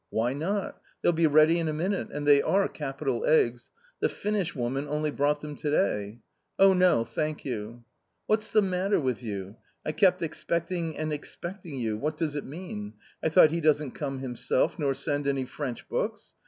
" Why not ? they'll be ready in a minute ; and they are capital eggs; the Finnish woman only brought them to day." " Oh, no, thank you." " What's the matter with you ? I kept expecting and expecting you ; what does it mean ? I thought ; he doesn't come himself, nor send any French books?